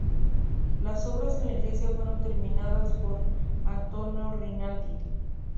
Las obras en la iglesia fueron terminadas por Antonio Rinaldi.